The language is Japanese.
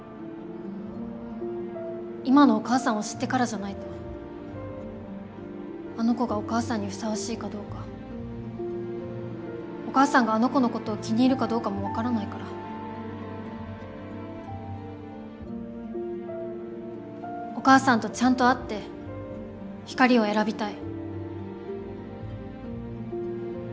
今のお母さんを知ってからじゃないとあの子がお母さんにふさわしいかどうかお母さんがあの子のことを気に入るかどうかも分からないからお母さんとちゃんと会って光を選びたい。